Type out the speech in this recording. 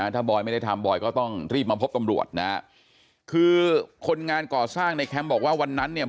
ถ้าบอยไม่ได้ทำบอยก็ต้องรีบมาพบตำรวจนะฮะคือคนงานก่อสร้างในแคมป์บอกว่าวันนั้นเนี่ย